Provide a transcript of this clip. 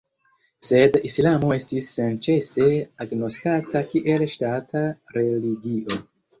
Sed islamo estis senĉese agnoskata kiel ŝtata religio.